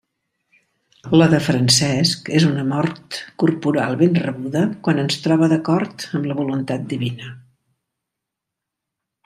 La de Francesc és una mort corporal ben rebuda quan ens troba d'acord amb la voluntat divina.